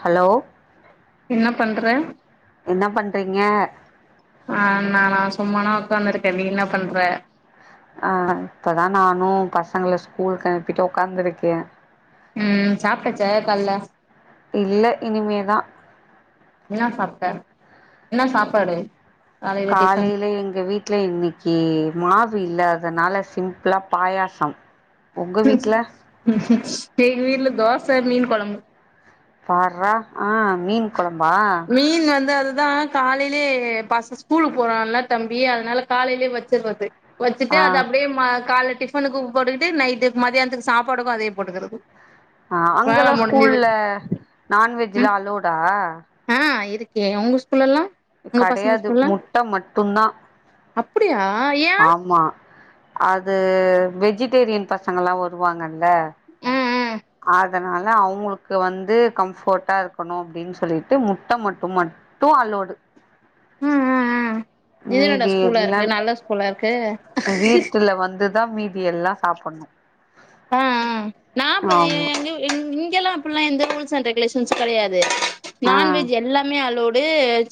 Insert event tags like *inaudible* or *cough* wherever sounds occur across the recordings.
Hello என்ன பண்ற என்ன பண்றீங்க ஆ நானா சும்மா நா உக்காந்துருக்கே நீ என்ன பண்ற ஆ இப்பதா நானு பசங்கள ஸ்கூல்க்கு அனுப்பிட்டு ஒக்காந்துருக்கே ம் சாப்ட்டச்சா கால்ல இல்ல இனிமேதா என்ன சாப்ட்ட என்ன சாப்பாடு காலைல எங்க வீ ட்ல இன்னைக்கி மாவு இல்லாதனால சிம்பிளா பாயாசம் உங்க வீட்ல எங்க வீட்ல தோச மீன் கொழம்பு பார்றா ஆ மீன் கொழம்பா மீன் வந்து அது அதா காலைலெயே பச ஸ்கூலுக்கு போறான்ல்ல தம்பி அதுனால காலைலயே வச்சுர்றது வச்சுட்டு ஆ அது அப்டியே ம கால்ல டிஃபனுக்கு போட்டுக்கிட்டு நைட்டு மதியானத்துக்கு சாப்பாடுக்கு அதே போட்டுக்குறது அ அங்கல்லா ஸ்கூல்ல நான்வெஜ்லா ம் அலோடா ஆ இருக்கே உங்க ஸ்கூல்லல்லா உங்க பசங்க கெடையாது ஸ்கூல்லா முட்ட மட்டுந்தா அப்டியா ஏ ஆமா அது வெஜிடேரியன் பசங்கலா வருவாங்கல்ல ம் ம் ஆ துனால அவுங்களுக்கு வந்து கம்ஃபர்ட்டா இருக்கணு அப்டின் சொல்லிட்டு முட்ட மட்டு மட்டு அல்லோடு ம் ம்ம் இது என்னடா ஸ்கூலா எல்லா இருக்கு நல்ல ஸ்கூல்லா இருக்கு தான் மீதி எல்லாம் சாப்ணும் ஆ ஆ ஆமா இங்கல்லாம் அப்ட்ல்லாம் எந்த ரூல்ஸ் அண்ட் ரெகுலேஷன்ஸ் கெடையாது ஆ நான்வெஜ் எல்லாமே அலோடு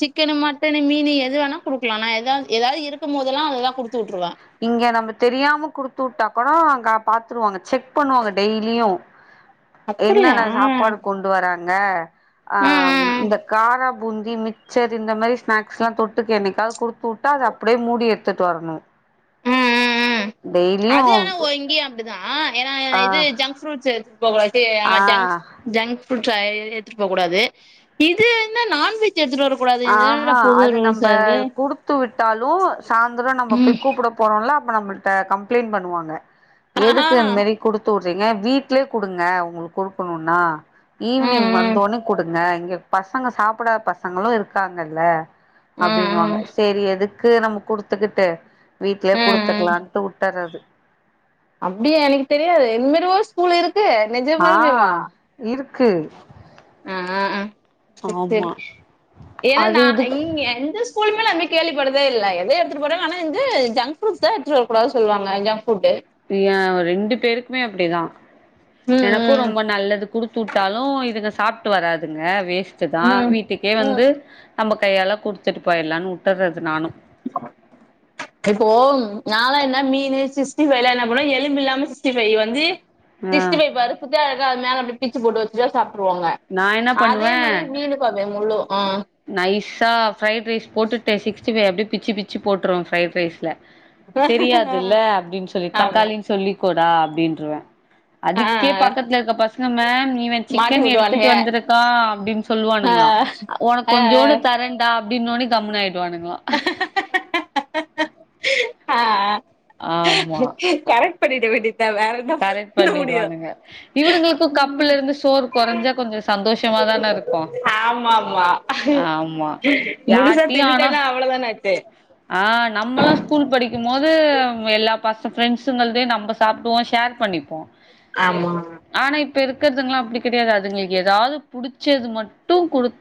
சிக்கன் மட்டனு மீனு எதுவேனா குடுக்கலா நான் எதாது இருக்கும் போதல்லாம் அததான் குடுத்து உட்ருவேன் இங்க நம்ம தெரியாம குடுத்து வுட்டா கூட அங்க பாத்துருவாங்க செக் பண்ணுவாங்க டெய்லியும் என்ன அப்படியா நான் சாப்பாடு கொண்டு வரன் அங்க அ ஆ ஆ இந்த ஆ கார பூந்தி மிச்சர் இந்த மாதிரி ஸ்நாக்ஸ் எல்லாம் தொட்டுக்கு என்ன்னைக்காவது குடுத்து விட்டுா அதை அப்படியே மூடி எடுத்துிட்டு வரணும் ம் ம் ம் அது ஆனா இங்கேயும் அப்படிதான் ஏன்னா ஆ இது ஜங்க் ஃப்ரூட்ஸ் ப ஜங் ஆ ஜங் ப்புட்ரை எத்துட்டு போகக் கூடாது இதென்ன நான்வெஜ் எடுத்துட்டு வரக் கூடாது இது என்னடா ஆஹஹா புது அது நம்ம ரூல்ஸா இருக்கு குடுத்து விட்டாலும் சாய்ந்திரம் நம்ம ம் போய் கூப்பிட போனோம்ல நம்மள கம்ப்ளைண்டட் பண்ணுவாங்க ஆ எதுக்கு என்மாரி கொடுத்துட் ங்க வீட்லயே கொடுங்க உங்களுக்கு கொடுக்கணும்ன்னா ம் ஈவினிங் ம் வந்தோடனே கொடுங்க ங்க பசங்க சாப்பிடாத பசங்களும் இருக்கு இருக்காங்கல்ல ம் அப்படின்னு வாங்க ம் சரி எது க்கு நமக்கு கொடுத்துக்கிட்டு வீட்யே ம் கொடுத்துக்கலாம்ட்டு வுட்டர்றது அப்படியா எனக்கு தெரியாது என்மருவ ஸ்கூல் இருக்கு நஜமாலுமேவா க்கு ஆஹ்ஹ்ஹ் சரி ஆமா அது ஏன்னா இதுக்கு இங்க எந்த ஸ்கூல் அப்டிலா எங்கயும் கேள்விப்பட்டதே இல்ல எத எடுத்துட்டு போறாங்கனா ஆனா வந்து ஜங்க் ஃபுட் தா எடுத்துவரக்க கூடாது சொல்லுவாங்க ஃபுட்டு ஏன் அவ ரெண்டு பேருக்குமே அப்படிதான் எனக்கும் ம் ரொம்ப நல்லது குடுத்து விட்டாலும் இதுங்க சாப்பிட்டு வராதுங்க வேஸ்டா ம் தான் ம் வீட்டுக்கே ம் வந்து நம்ம கையால கொடுத்து ச்சட்டுப்பாயலாம்னு வுட்டர்றது நானும் இப்போ நால என்ன மீன் சிக்ஸ்டிபைவ்ல என்ன பண்ணம் எலும்பு இல்லாம சிக்ஸ்டிைவ வந்து ஆ திஸ்டிபைவ் வருப்புதா அது மேல அப்டி பிச்ச போட்டு வச்சு சாப் நான் என்ன பண்ணுவேன் பாப்பே முள்ளு ஆ நைஸா ஃரைட் ரைஸ் போட்டுட்டேன் சிக்ஸ் சிக்ஸ்டி பைவ்வ பிச்ச பிச்சு போட்டுருவேன் ப்ரைட் ரைஸ்ல தெரியாதுல்ல அப்டின்னு சொல்லி ஆமா தக்காளின்னு சொல்லி கூடா அப்டின்றுருவன் ஆ அதுக்கே பக்கத்துல இருக்க பசங்க மேம் இவன் மாட்டி சிக்கன் எடுத் த்துட்டு விட்ருவானுங்க வந்திருக்கா அப்டின்னு ஆ சொல்லுவானுங்களம் உனக்கு ஆ கொஞ்சோண்டு ஆ தரண்டா அப்டின்னி கம்னு ஆய டுவாணுங்களாம் ஆஹ் ஆமா பண்ணிட வேண்டியது வேற என்ன கரெக்ட் பண்ண முடியும் பண்ணிடுவானுங்க இவனுங்களுக்கு கப்புல இருந்து சோறு கொறஞ்சா கொஞ்சோ சந்தோஷமா தான இருக்கு ஆமா ஆமா ஆமா முழுசா தின்னுட்டேன்னா அவ்ளோ தானே ஆச்சு ஆஹ் நம்மலாம் ஸ்கூல் படிக்கும் போது எல்லா மத்த ஃபிரெண்ட்ஸுங்கள்தையும் நம்ம சாப்பிடுவோம் ஷேர் பண்ணிப்போம் ஆமா இப்ப இருக்கிறதுங்களாம் அப்டி கிடையாது அதுங்களுக்கு ஏதாது பிடிச்சது மட்டும் குடுத்து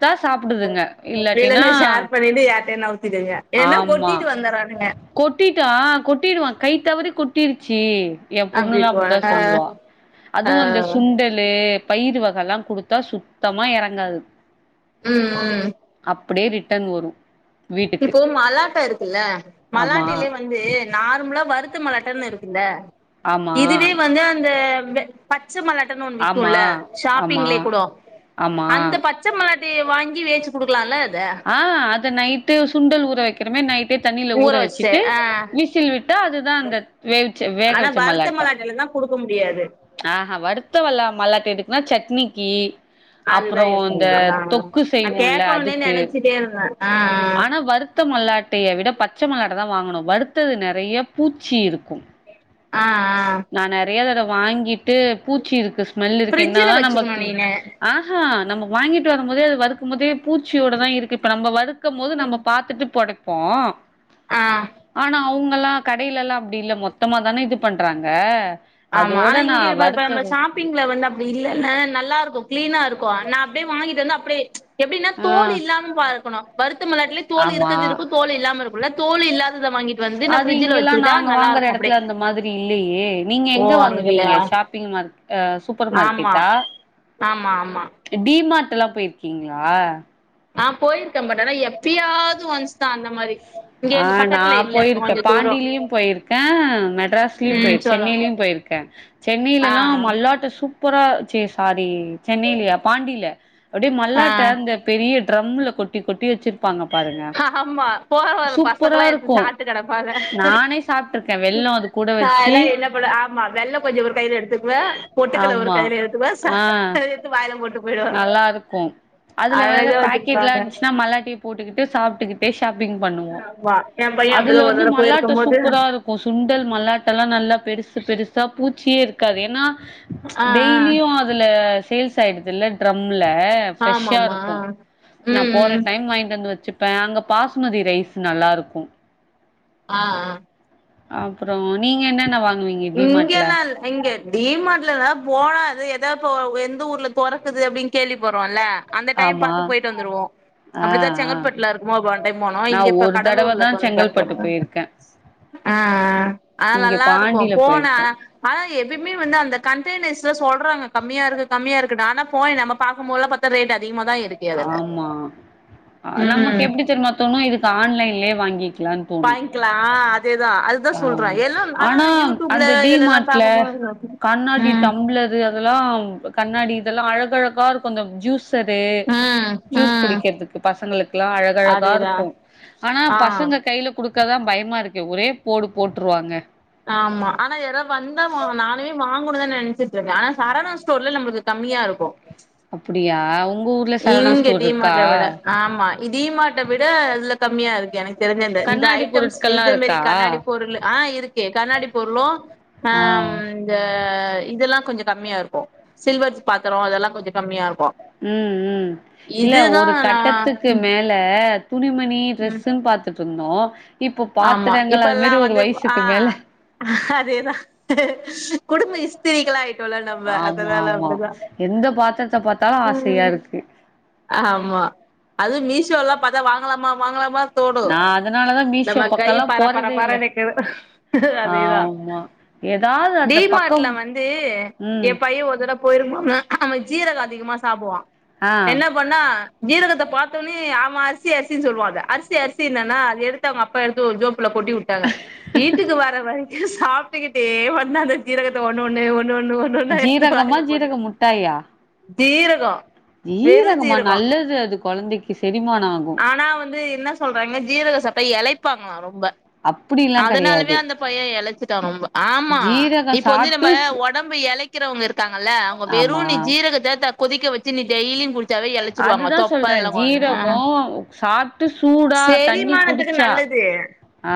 வேனானா ஷேர் பண்ணிட்டு யார்ட்டையாவது நவுத்திடங்க இல்லனா கொட்டிட்டு வந்துறானுங்க கொட்டிடுவான் கை தவறி கொட்டிடுச்சி என் பொண்ணுல்லாம் அப்டின்டுவாங்க அப்டித்தான் சொல்லுவா ஆ அதுவும் அந்த ஆ சுண்டலு பயிர் வகையெல்லாம் குடுத்தா சுத்தமா இறங்காது உம் உம் அப்டியே ரிட்டர்ன் வரும் இப்போ மழ *unintelligible* இல்ல ஆமா மல்லாட்டலயே வந்து நார்மலா வருத்த மலாட்டன்னு இருக்குல்ல ஆமா இதுவே வந்து அந்த இந்த பட் பச்சை மல்லாட்டனு ஒன்னு ஆமா விக்கும்ல்ல ஆமா ஷாப்பிங்ல கூடே ஆமா அந்த பச்சை மல் வாங்கி வேவுச்சு கொடுக்கலாம்ல ஆஹ் அ நைட்டு சுண்டல் ஊற வைக்கிறோமே நைட் தண்ணியில ஊற வச்சுட்டு வச்சிட்டு ஆ விசில் விட்டா அதுதான் அந்த வேக ஆனா வச்ச வறுத்த மலாட்ட மல்லாட்டில தா குடுக்க முடியாது ஆஹ வருத்த மலாட்ட எதுக்குனா சட்னி இ அதுதா அப்புறம் இந்தந்த தொக்கு செய்வோம்ல அதுக்கு நினைச்சிட்டேருந்தேன் ஆனா வருத்த மல்லாட்டையை விட பட்ட பச்சை மள்ளாடை தான் வாங்கணும் வருத்தது நிறைய பூச்சி இருக்கும் ஆ ஆ நான் நிறைய தடவை வாங்கிட்டு பூச்சி இருக்கு ஸ்மெல் இருக்கு என்ன ஃப்ரிட்ஜ்ல தான் நம் வச்சுக்கணு பக்த நீனு ஆஹா நமக்கு வாங்கிட்டு வரும் போதே அது வறுக்கும் போதே பூச்சியோட தான் இருக்கு இப்ப நம்ம வருத்து போது நம்ம பார்த்துட்டு போடக்க ப்போம் ஆ ஆனா அவங்க ல்லாம் கடையில எல்லாம் அப்படி இல் மொத்தமா தானே இது பண்றாங்க ஆமா அதோட ஆனா நா இங்க நம் வறுத்தது ஷாப்பிங்ல வந்து அப்படி இல்லல்ல நல்லா இருக்கும் கிளீனா இருக்கும் நான் அப்படியேவங்கிட்டு வந்து அப்டியே புரி எப்படின்னா ஆ தோல் இல்லாம பார்க்கணும் விட்டு மாலட்டிலே தோல் ஆமா இருக்குறது இருக்கும் தோல் இல்லாதாது இருக்கும்ல அது இங்கெல்லாம் வச்சுக்கிட்டா நாங்க நல்லா வாங்குற இருக்கு அப்டியே இடத்துல அந்த மாதிரி இல்லையே நீங்க ஓ எங்க வாங்குவீங்க அங்கலயா ஷாப்பிங் மார்க சூப்பர் ஆமா மார்க்கெடா ஆமா ஆமா டி மார்ட் ல்லாம் போயிருக்கீங்களா ஆஹ போயிருக்கேன் பாட் ஆனா எப்பயாவது ஒன்ஸ் தா அந்த மாரி இங்க எங்க ஆஹ் பக்கத்துல நான் இல்ல போயிருக்கேன் கொஞ்ச தூரோ பாண்டியிலயும் போயிருக்கேன் மெட்ராஸ்லயும் ம் போயிருக்கேன் சொல்லு சென்னையிலயும் போயிருக்கேன் சென்னையில ஆ எல்லாம் மல்லாட்ட சூ ப்புற சசி சாரி சென்னையிலையா பாண்டியில அப்படியே ஆ மல்லாட்ட அ இந்த ஆ பெரிய டிரம்ல கொட்டி கொட்டி வச்சு ப்பாங்க பாருங்க ஆமா போற வர சூப்பரா பசங்கெல்லா எடுத்து இருக்கு சாப்டு கெடப்பாங்க. நானே சாப்ட்ருக்கே வெல்லோ அது கூட வச்சு வாயிலா என்ன படு ஆமா வெள்ளோ கொஞ்சோ ஒரு கையில எடுத்துக்குவ பொட்டுக்கல ஒரு ஆமா கையில எடுத்துக்குவ ஆ எடுத்து வாயில போட்டு. போயிடுவே நல்லா இருக்கு. அதுல வேற அழகா பாக்கெட் எல்லா வச்சிருப்பாங்க இருந்துச்சுன்னா மல்லாட்டயு போட்டு. கிட்டு சாப்பிட்டுக்கிட்டே. ஷாப்பிங் பண்ணுவோ. ஆமா எ பைய அதுல அப்டிதா ஒரு வந்து தடவ மல்லாட்ட போயிருக்கும் போது சூப்பரா இருக்கு சுண்டல் மல்லாட்ட எல்லா நல்லா பெருசு. பெருசா பூ. பூச்சியே இருக்காது ஏன்னா. ம்ச் ஆ ஆ டெய்லியு அதுல. சேல்ஸ் சாயிடு. இதுல டிரம். இல்ல பிரஷ்சா ஆமாமா இருக்கு. நா ம் போற ம் டைம் வாங்கிட்டு வந்து வச்சுப். ப்ப அங்க பாஸ்மதி ரைஸ் நல்லாயிருக்கு. ஆஹஹா. அப்புறோ நீங்க என்னென்ன வாங். இங்கலால்ல இங்க டிமாட்லதா போனா. அது எதாவது எந்த ஊர்ல தொறக்குதுனு அப்படின்னு கேள்வி பறோல்ல. அந்த டைம் ஆமா பாத்து போயிட்டு வந்துருவோ. ஆ அப்படித்தா ஆ செங்கல்பட்டுல இருக்குபோது ஒன் டைம் போனோ நா இங்க இப்ப ஒரு தடவ கடலூர்ல. தா செங்கல்பட்டு *unintelligible* போயிருக்கே ஆஹேஹ. ஆனா இங்க நல்லா இருக். போ பாண்டில போன போயிருக்கோ ஆன. ஆனா இப். எப்பவுமே வந்து அந்த கண்டெனர்ஸ்ல சொல்றாங்க கம்மியா இருக்கு கம்மியா இருக்கு ஆனா போய் நாம பாக்கும்போதுல பாத்தா ரேட் அதி. ஆமா நமக்கு ம் எப்படி தெரியமாத்தோணு இது. ஆன்லைன்லே வாங்கி. வாங்கிக்கிலா அதேதா. அதுதா சொல்றே ஆமா எல்லா ஆனா யூடியூப்ல அந்த இதுலல்லா டிமார்ட்ல பாக்கும்போது கண்ணாடி ம் டம்பளரு. அதெல்லா கண்ணாடி இதெல்லா அழகழகா இருக்கு அந்த ஜூஸ். *unintelligible* ம் ஜூஸ் ம் குடிக்கிறதுக்கு பசங்களுக்கெல்லா அழகழகா அதேதா இருக்கு. ஆனா ஆ பசங்க கைல குடு. இருக்கதா பயமா இருக்கே ஒரே. போடு போட்டுருவாங்க. ஆம்மா ஆனா யார வந்தாமா நானே வா. போகுனுதா நெனச்சிட்டு இருக்க ஆனா சரவணாஸ்டோர்ல நம்லுது கம்மியா இருக்கு. அப்படியாவ். இங்க டீமாட்ட விட ஆமா. டீமாட்ட விட இதுல கம்மியா இருக்கு எனக். தெரிஞ்சந்த இந்த கண்ணாடி ஐட்டம்ஸ் பொருட்கள்லா இதுமேரி இருக்கா கண்ணாடி பொருள் ஆஹ் இருக்கு கண்ணாடி பொருளும் உம் ஆ ஆஹா இந்த இதெல்லாம் கொஞ்சம் கம்மியா இருக்கும் சில்வர் பாத்திரம் அதெல்லாம் கொஞ்சம் கம்மியா இருக்கும் உம் உம் இல்ல ஒரு நா கட்டத்துக்கு ம் மேல துணிணி ம் டிரஸ் பாார்த்துட்டு சொன்னும் ஆமா இப்பெல்லாம் வந்து மேல ஆஹ் ம் அதேதான் குடுமிஸ் சிரிகலா ஆமா ஆமா எந்த பாத் பார்த்தாலும் ஆசையா ம் இருக்கு ஆமா அதுவும் மீஷோல்லாம் பார்த்தா வாங்கலாமா வாங்கலாமா தோணு நான் அதனால நம்ம கை பர பர பர க்குது அதேதான் ஆமா ஏதாவது அந்த பக்கம் டீமார்ட்ல வந்து ம் என் பையன் ஒருதடவ போயிருபாங்க அவன் ஜீரகம் அதிகமா சாப்பிடுவான் ஆ என்ன பண்ணா ஜீரகத்தை பார்த்தோனே அவன் அரிசி அரிசின்னு சொல்லுவான் அத அரிசி அரிசி என்னன்னா அது எது அப்ப போட்டி விட்டாங்க வீட்டுக்கு வர வர சாப்பிட்டுக்கிட்டே வந்து அந்த ஜீரகத்தை ஒண்ணு ஒண்ணே ஒண்ணு ஒண்ணு ஒண்ணு ஒண்ணா எடுத்து ஜீரகமா வாயில போடு ஜீரகம் முட்டாயா ஜீரகோ வெறு ஜீரகமா ஜீரகோ நல்லது அது குழந்தைக்கு செரிமான ஆகும் ஆனா வந்து என்ன சொல்றாங்க ஜீரக ச இழைப்பாங்களாம் ரொம்ப அப்படில்லா அதனாலவே கெடையாது அந்த பையன் இழச்சிட்டான் ரொம்ப ஆமா ஜீரக இப்ப வந்து நம்ம சாப்ட்டு ஸ் உடம்பு இழக்கிறவங்க இருக்காங்கல்ல அவங்க ஆமா வெறு ஜீரகத்தை கொதிக்க வச்சு நீ டெய்லி அதுதான் சொல்றேன் ஆ ஜீரகம் சாப் விட்டு சூடா தண்ணி செரிமானத்துக்கு குடிச்சா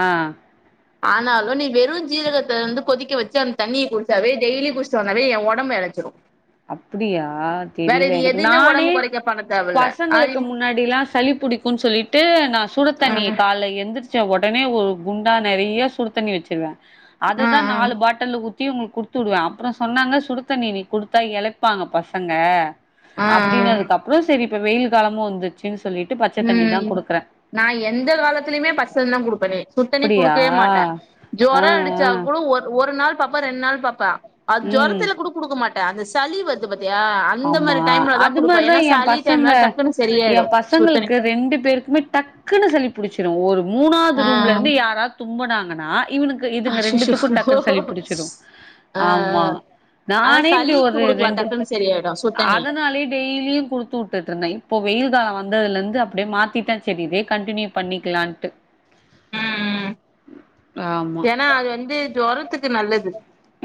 ஆஹ் ஆனாலும் நீ வெறும் ஜீரகத்தை வந்து கொதிக்க வச்சு அந்த தண்ணியை குடிச்சாவே டெய்லி குடிச்சட்டு வந்தாவே என் உடம்பு இழச்சிடும் அப்படியா தெரியல எனக்கு எதுமே ஒடம்பு நானே கொறைக்க பண்ண தேவல்ல ஆ பசங்களுக்கு முன்னாடி எல்லாம் சளி புடிக்கும்ன்னு சொல்லிட்டு நான் சுடுத்தண்ணிய ம் கால்ல எந்திரிச் உடனே ஒரு குண்டா நிறைய சுடு தண்ணி வச்சிக்குவேன் அததான் ம் நாலு பாட்டல்ல ஊத்தி உங்களுக்கு குடுத் விட்டுடுவே அப்புறம் சொன்னாங்க சுடு தண்ணி நீ கொடுத்து இழப்பாங்க பசங்க ம் ம் அப்டினதுக்குப்புறம் சரி வெயில் காலமும் வந்துச்சு உம் நா எந்த காலத்திலயுமே பச்ச தண்ணி தான் குடுப்பேனே சுடுத்தண்ணி அப்டியா குடுக்கவே மாட்டேன் ஆ ஜொரம் அடிச்சா ஆ கூட ஒரு ஒரு நாள் பாப்பா ரெண்டு நாள் பாப்பா அது ம் ஜொரத்தில கூட குடுக்க மாட் அந்த சளி வருது பாத் யா அந்த ஆமா மாரி டைம்ல தான் அது குடுப்பே மாரிதா ஏன்னா எ சளி பசங்க டைம்னா டக்குன்னு எ சரியாயிடும் பசங்களுக்கு ரெண்டு பேருக்குமே டக்குன்னு சளிப் புடிச்சிரும் ஓடு மூணாவது ஆ ரூம்ல இருந்து யாராது தும்புனாங்கன்னா இவனுக்கு இதுங்க ரெண்டுத்துக்கும் அச்சச்சோ டக்குன்னு சளி பிடிச்சிரும் ஆ ஆமா அதா நானே இப்டி சளிக்கு ஒரு குடுக்கலா ரெண்டு டக்குன்னு சரியாயிடு சுடுத்தண்ணி அதனாலயே டெய்லியும் குடுத்து விட்டுட்டு இருந்தேன் இப்போ வெயில் காலம் வந்து வந்ததுல இருந்து அப்டியே மாத்திட்டான் சரிஇதே கண்டினியூ பண்ணிக்கலாம்ட்டு ஏனா அது வந்து ஜொரத் ஜொரத்துக்கு நல்லது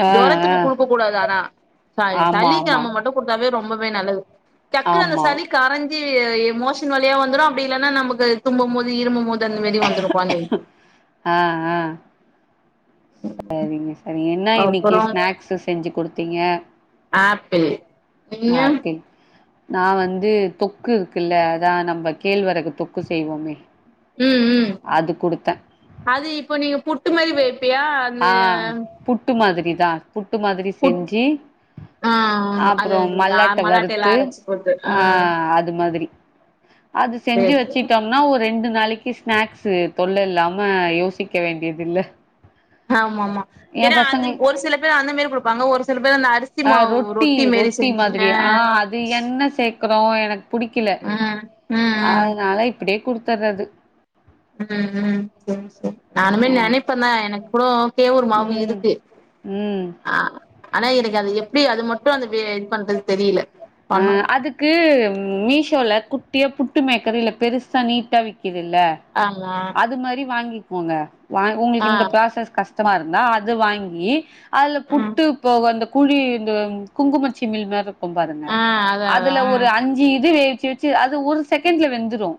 ஆ ஆ ஜொரத்துக்கு குடுக்க கூடாது ஆனா ச ஆமா சளிக்கு ஆமா அம்ம மட்டும் குடுத்தாவே ரொம்ப வே நல்லது டக்குனு அந்த ஆமா சளி கரஞ் மோஷன் வ வழியா வந்துரும் அப்டி இல்லன்னா நமக்கு தும்பும் போது இருமும்போது ஆ ஆ செரிங்க செரி என்ன இன்னைக்கு அப்புறோ ஸ்நாக்ஸ் செஞ்சு குடுத்தீங்க ஆப்பிள் நீங்க ஆப்பிள் நான் வந்து தொக்கு இருக்குல்ல அதான் நம்ம கேழ்வரகு தொக்கு செய்வோமே ம் ம் அது குடுத்தே அது இப்ப நீங்க புட்டு மாதிரி வெய்ப்பியா அந்த ஆ புட்டு *unintelligible* புட்டு மாதிரி புட் செஞ்சு ஆ அது அப்பறோம் மல்லாட்ட அது மல்லாட்டைலா வறுத்து அரச்சு போட்டு ஆ அது மாதிரி அது செஞ்சு சேரி சேரி வச்சிட்டோம்னா ஒரு ரெண்டு நாளைக்கு ஸ்நாக்ஸ் தொல்ல இல்லாம யோசிக்க வேண்டியது இல்ல ஆமா ஆமா ஏ ஏன்னா அந்த பசங்களுக்கு ஒரு சில பேர் அந்த மாரி குடுப்பாங்க ஒரு சில பேர் அந்த அரிசி மாவு ரொட்டி மாரி செஞ்சு அப்பறோம் எனக்கு புடிக்கல ம் ம் ம் அதனால இப்ப அப்டியே குடுத்தர்றது உம் உம் ம் சேரி சேரி நானுமே ஆ நெனப்பேன் தான் எனக்கு கூட கேவூர் மாவு ம் இருக்கு ம் ஆ ஆனா எனக்கு அது எப்டி அது மட்டும் அந்த இது பண்றது தெரியல அ பண்ணணு அதுக்கு மீஷோல குட்டியா புட் புட்டு மேக்கரு இல்ல பெருசா நீட்டா வெ இருக்குதுல்ல ஆமா அது மாதிரி வாங்கி க்கோங்கா ஆ உங்களுக்கு இந்த பராசஸ் கஷ்ட சுத்தமா இருந்தா அது வாங்கி அதுல ம் புட்டு போ குழி இந்த குங்குமச்சிமீல் மாறி இருக்கும் பாருங்க ஆ அதா அதா அதுல ஒரு அஞ்சு இது வச்சு அது ஒரு செகண்ட்ல வெந்துடும்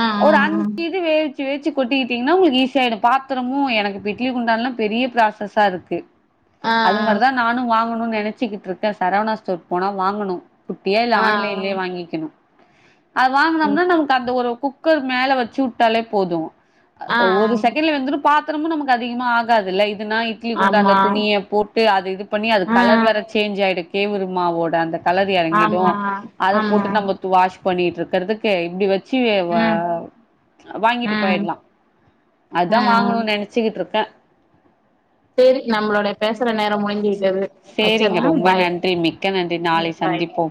ஆ ஒரு அஞ்சுது வே வச்சு வச்சி கொட்டிக்கிட்டீங்கன்னா உங்களுக்கு ஈசியாயிடும் பாத்திரமும் எனக்கு இட்லி குண்டான்ல்லாம் பெரிய ப்ராசஸா இருக்கு ஆ ஆ அது மாதிரிதான் நானும் வாங்கணும் வாங்கனூம்னு நினைச்சக்கிட்டு இருக்கேன் சரவணா ஸ்டோர் போனா வாங்கணும் குட்டியா இல்ல ஆ ஆ ஆ ஆன்லைன்லயே வாங்கிக்கணும் அது சரி வாங்கனம்னா நமக்கு அந்த வரும் குக்கர் மேல வச்சு விட்டாலே போதும் ஆ ஒரு ஆ செகண்ட்ல வெந்துரும் பாத்தா பாத்ரமும் நமக்கு அதிகமா ஆகாதுல்ல இட்லி குண்டாண்ல ஆமா துணியை போட்டு அது இது பண்ணி அது ஆ கலர் வேற சேஞ்ச் ஆயிடுக்கு கேவுருமாவோட அந்த கலரு இறங்கிடும் ஆமா அத ஆமா போட்டு நம்ம அத வாஷ் பண்ணிட்டு இருக்கறதுக்கு இப்படி வச்சு வச்சி ம் வாங்கிட்டு ம் போயிடலாம் ஆ அதுதான் வாங்கணும்னு நினச்சிக்கிட்டுருக்கேன் சரி நம்மளோடைய பேசுற நேரம் முடிஞ்சிட்டது சேரிங்க வச்சறேன் ரொம்ப நன்றி மிக்க நன்றி நாளை பாய் பாய் சந்திப்போம்